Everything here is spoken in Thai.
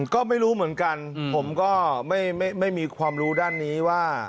ก็ไม่รู้เหมือนกันผมก็ไม่มีความรู้ด้านนี้ว่า